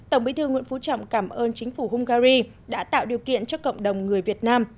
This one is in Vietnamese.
một mươi sáu tổng bí thư nguyễn phú trọng cảm ơn chính phủ hungary đã tạo điều kiện cho cộng đồng người việt nam